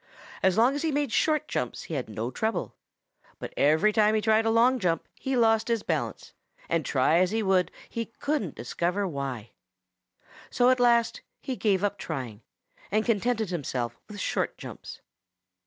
As long as he made short jumps he had no trouble, but every time he tried a long jump he lost his balance, and try as he would he couldn't discover why. So at last he gave up trying and contented himself with short jumps.